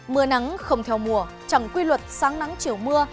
mưa nắng không theo mùa chẳng quy luật sáng nắng chiều mưa